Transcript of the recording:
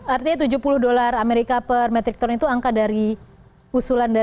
artinya tujuh puluh dolar amerika per metrik ton itu angka dari usulan dari